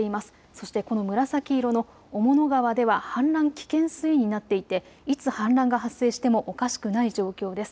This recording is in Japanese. そしてこの紫色の雄物川では氾濫危険水位になっていていつ氾濫が発生してもおかしくない状況です。